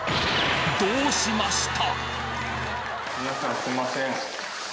どうしました？